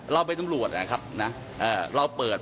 เราเป็นตำรวจนะครับนะเราเปิด